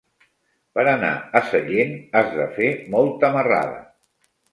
Per anar a Sellent has de fer molta marrada.